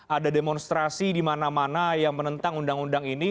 ada demonstrasi di mana mana yang menentang undang undang ini